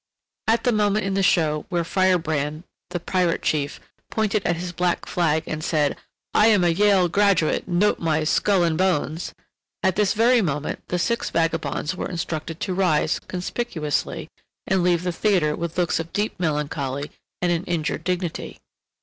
At the moment in the show where Firebrand, the Pirate Chief, pointed at his black flag and said, "I am a Yale graduate—note my Skull and Bones!"—at this very moment the six vagabonds were instructed to rise conspicuously and leave the theatre with looks of deep melancholy and an injured dignity.